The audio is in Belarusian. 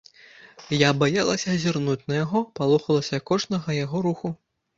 Я баялася зірнуць на яго, палохалася кожнага яго руху.